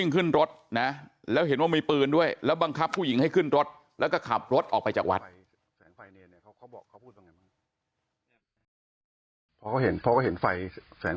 พอเขาเห็นไฟแสงไฟเนรเนี่ยเขาบอกเขาพูดว่าไงบ้าง